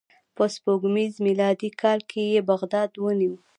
په سپوږمیز میلادي کال یې بغداد ونیو.